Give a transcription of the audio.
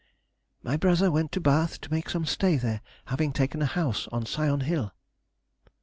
_—My brother went to Bath to make some stay there, having taken a house on Sion Hill.